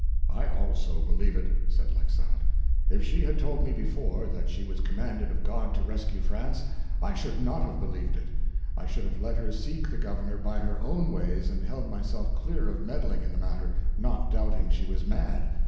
"I also believe it," said Laxart. "If she had told me before, that she was commanded of God to rescue France, I should not have believed; I should have let her seek the governor by her own ways and held myself clear of meddling in the matter, not doubting she was mad.